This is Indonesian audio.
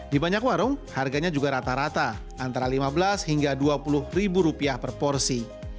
di banyak warung harganya juga rata rata antara lima belas hingga dua puluh ribu rupiah per porsi